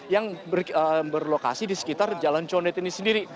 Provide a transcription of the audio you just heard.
yang berlokasi di sekitar jalan condet ini sendiri